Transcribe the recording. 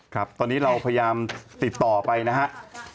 ครับตอนนี้เราพยายามติดต่อไปนะครับ